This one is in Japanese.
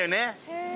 へえ。